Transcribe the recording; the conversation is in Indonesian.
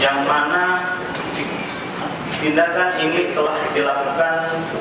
yang mana tindakan ini telah dilakukan